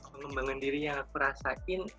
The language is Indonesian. pengembangan diri yang aku rasain